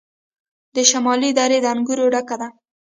د شمالی دره د انګورو ډکه ده.